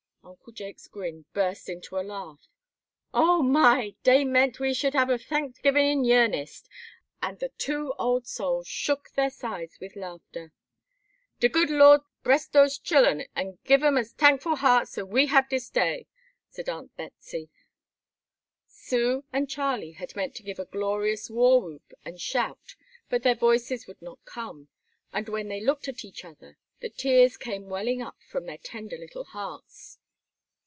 Uncle Jake's grin burst into a laugh. "Oh my! dey meant we should hab a Tanksgivin' in yearnest;" and the two old souls shook their sides with laughter. "De good Lord bress dose chillen, an' give 'em as tankful hearts as we hab dis day!" said Aunt Betsey. Sue and Charlie had meant to give a glorious war whoop and shout, but their voices would not come, and when they looked at each other the tears came welling up from their tender little hearts.